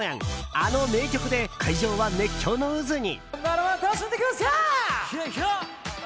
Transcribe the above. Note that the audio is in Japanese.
あの名曲で会場は熱狂の渦に。